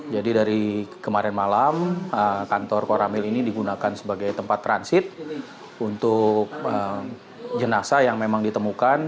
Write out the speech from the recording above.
jadi dari kemarin malam kantor koramil ini digunakan sebagai tempat transit untuk jenasa yang memang ditemukan